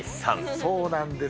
そうなんです。